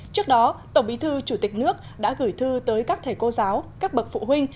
trước đó tổng bí thư chủ tịch nước đã gửi thư tới các thầy cô giáo các bậc phụ huynh